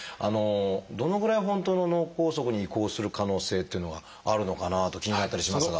どのぐらい本当の脳梗塞に移行する可能性っていうのがあるのかなと気になったりしますが。